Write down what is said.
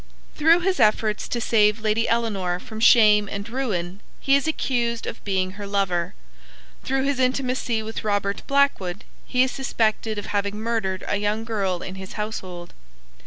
Through his efforts to save Lady Ellinor from shame and ruin he is accused of being her lover; through his intimacy with Robert Blackwood he is suspected of having murdered a young girl in his household.